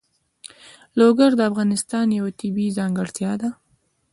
لوگر د افغانستان یوه طبیعي ځانګړتیا ده.